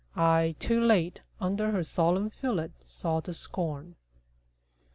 I, too late, Under her solemn fillet saw the scorn.